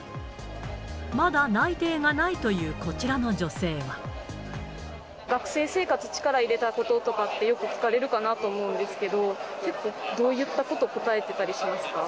まだ内定がないというこちらの女学生生活、力を入れたこととかって、よく聞かれるかなと思うんですけれども、結構、どういったことを答えてたりしますか？